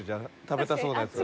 「食べたそうなやつ」